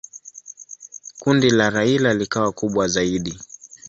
Kundi la Raila likawa kubwa zaidi.